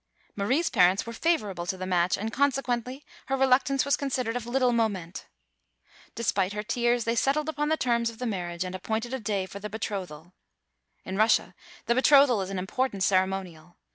Marie's parents were favorable to the match, and consequently her reluctance was considered of little moment. Despite her tears, they settled upon the terms of the marriage, and appointed a day for the betrothal. In Russia the betrothal is an important ceremonial.